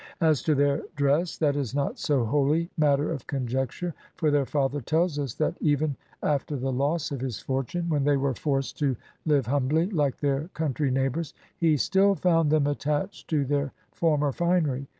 As to their dress, that is not so wholly matter of conjecture, for their father tells us that even after the loss of his fortune, when they were forced to live humbly like their country neighbors, he "still found them attached to their former finery.